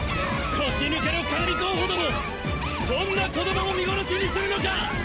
腰抜けの神候補どもこんな子供も見殺しにするのか！